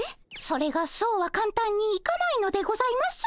それがそうはかんたんにいかないのでございます。